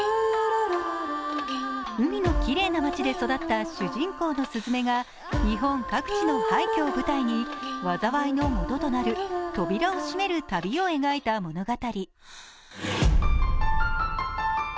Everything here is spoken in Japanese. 海のきれいな街で育った主人公のすずめが日本各地の廃虚を舞台に災いのもととなる扉を閉める旅を描いた物語。